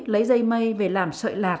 lấy dây mây về làm sợi lạc